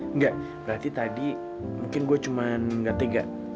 enggak berarti tadi mungkin gue cuma gak tega